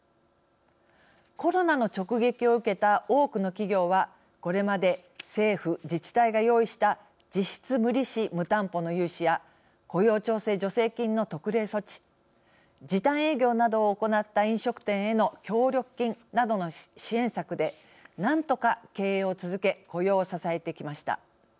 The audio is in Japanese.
コロナの直撃を受けた多くの企業はこれまで政府・自治体が用意した実質無利子・無担保の融資や雇用調整助成金の特例措置時短営業などを行った飲食店への協力金などの支援策でなんとか経営を続け雇用を支えてきました。